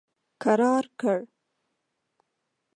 کرار کړ.